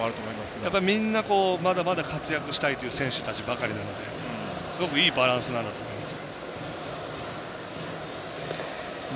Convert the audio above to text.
みんな、まだまだ活躍したいという選手たちばかりなのですごく、いいバランスなんだと思います。